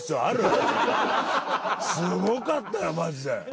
すごかったよマジで。